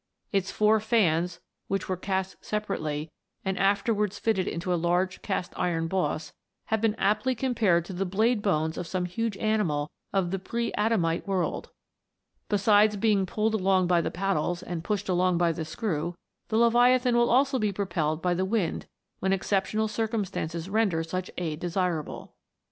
Its four fans, which were cast separately, and afterwards fitted into a large cast iron boss, have been aptly compared to the blade bones of some huge animal of the pre Adamite world. Besides being pulled along by the paddles, and pushed along by the screw, the Leviathan will also be propelled by the wind when exceptional cir cumstances render such aid desirable.